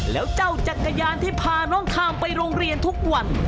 แล้วเจ้าจักรยานที่พาน้องคามไปโรงเรียนทุกวัน